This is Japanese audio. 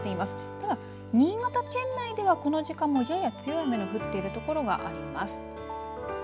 ただ、新潟県内ではこの時間もやや強い雨の降っているところがあります。